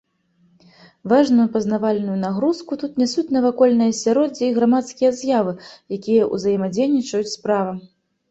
Важную пазнавальную нагрузку тут нясуць навакольнае асяроддзе і грамадскія з'явы, якія ўзаемадзейнічаюць з правам.